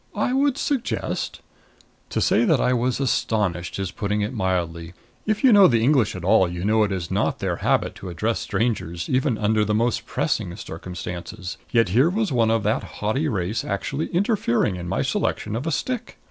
I would suggest " To say that I was astonished is putting it mildly. If you know the English at all, you know it is not their habit to address strangers, even under the most pressing circumstances. Yet here was one of that haughty race actually interfering in my selection of a stick.